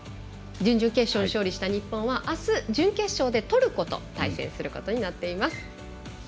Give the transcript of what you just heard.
準々決勝勝利した日本はあす、準決勝でトルコと対戦することになっています。